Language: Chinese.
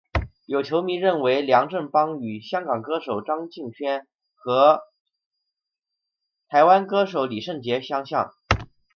有球迷认为梁振邦与香港歌手张敬轩和台湾歌手李圣杰相像。